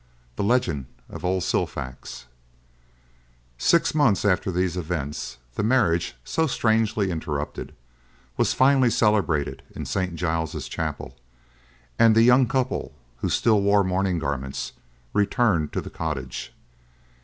THE LEGEND OF OLD SILFAX Six months after these events, the marriage, so strangely interrupted, was finally celebrated in St. Giles's chapel, and the young couple, who still wore mourning garments, returned to the cottage.